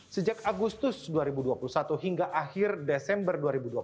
sejak agustus dua ribu dua puluh satu hingga akhir desember dua ribu dua puluh satu